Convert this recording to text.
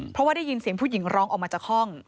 เพราะว่าได้ยินเสียงผู้หญิงร้องออกมาจากห้อง